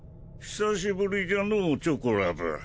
久しぶりじゃのうチョコラブ。